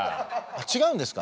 違うんですか？